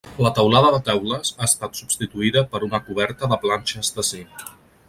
La teulada de teules ha estat substituïda per una coberta de planxes de zinc.